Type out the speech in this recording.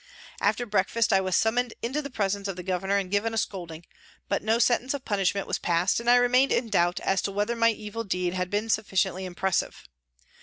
After breakfast I was sum moned into the presence of the Governor and given a scolding, but no sentence of punishment was passed and I remained in doubt as to whether my evil deed had been sufficiently impressive.